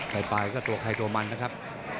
ในปลายก็ตัวไข่ตัวมันนะครับ